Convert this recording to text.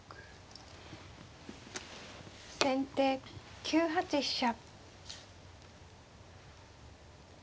先手９八飛車。